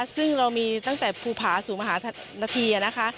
ซึ่งเรามีตั้งแต่ภูผาสูงมหานาทีนะคะ